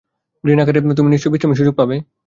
গ্রীনএকারে তুমি নিশ্চই বিশ্রামের সুযোগ পাবে।